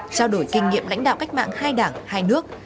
trao đổi kinh nghiệm lãnh đạo cách mạng hai đảng hai nước